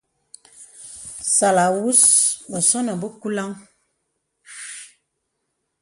Sàlàwūs bəsɔ̄nɔ̄ bə kùlāŋ.